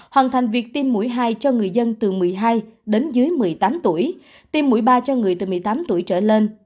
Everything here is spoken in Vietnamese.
hoàn thành việc tiêm mũi hai cho người dân từ một mươi hai đến dưới một mươi tám tuổi tiêm mũi ba cho người từ một mươi tám tuổi trở lên